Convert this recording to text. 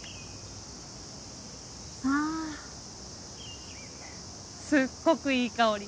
あぁすっごくいい香り。